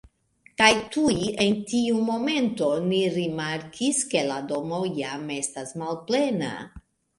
Kaj tuj en tiu momento ni rimarkis, ke la domo jam estas malplena